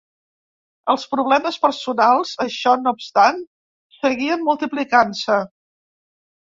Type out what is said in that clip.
Els problemes personals, això no obstant, seguien multiplicant-se.